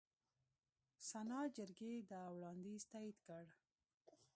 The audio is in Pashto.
سنا جرګې دا وړاندیز تایید کړ.